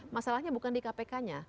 masalahnya bukan di kpk nya